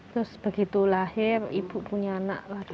terus begitu lahir ibu punya anak laki laki